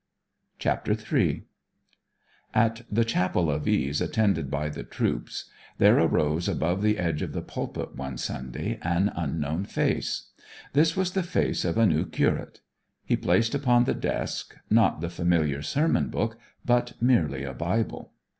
CHAPTER III At the chapel of ease attended by the troops there arose above the edge of the pulpit one Sunday an unknown face. This was the face of a new curate. He placed upon the desk, not the familiar sermon book, but merely a Bible.